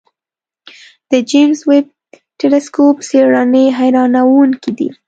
د جیمز ویب ټېلسکوپ څېړنې حیرانوونکې دي.